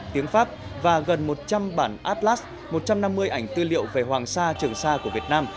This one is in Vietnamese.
tiếng pháp và gần một trăm linh bản atlas một trăm năm mươi ảnh tư liệu về hoàng sa trường sa của việt nam